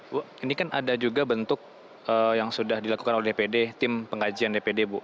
bu ini kan ada juga bentuk yang sudah dilakukan oleh dpd tim pengkajian dpd bu